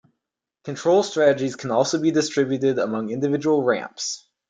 Control strategies can also be distributed among individual ramps.